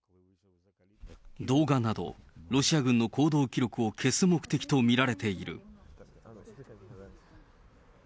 動画など、ロシア軍の行動記録を消す目的と見られている。